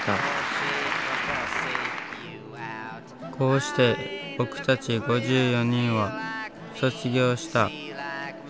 こうして僕たち５４人は卒業した。